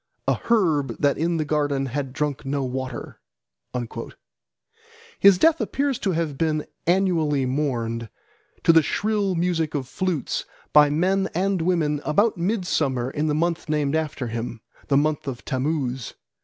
A herb that in the garden had drunk no water." His death appears to have been annually mourned, to the shrill music of flutes, by men and women about midsummer in the month named after him, the month of Tammuz.